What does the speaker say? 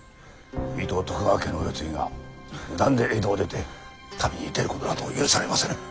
水戸徳川家のお世継ぎが無断で江戸を出て旅に出ることなど許されませぬ。